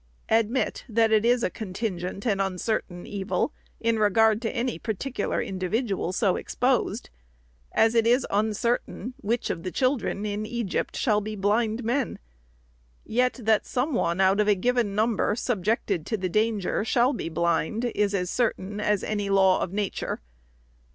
Admit, that it is a contingent and uncertain evil, in regard to any par ticular individual so exposed ; as it is uncertain, which of the children, in Egypt, shall be blind men ; yet that some one out of a given number, subjected to the danger, shall be blind, is as certain as any law of Nature.